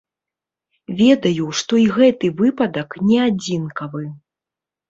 Ведаю, што і гэты выпадак не адзінкавы.